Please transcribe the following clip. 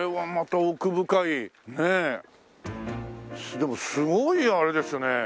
でもすごいあれですね。